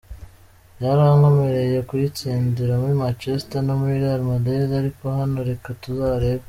"Byarankomereye kuyitsindira muri Manchester no muri Real Madrid, ariko hano? Reka tuzarebe.